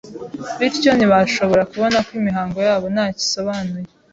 bityo ntibashobora kubona ko imihango yabo ntacyo isobanuye,